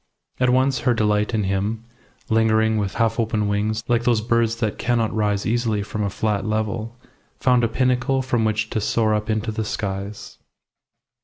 And at once her delight in him, lingering with half open wings like those birds that cannot rise easily from a flat level, found a pinnacle from which to soar up into the skies.